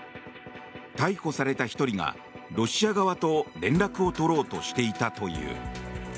逮捕された１人がロシア側と連絡を取ろうとしていたという。